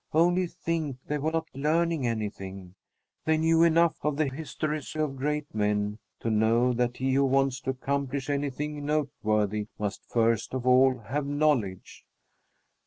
Only think, they were not learning anything! They knew enough of the histories of great men to know that he who wants to accomplish anything noteworthy must first of all have knowledge.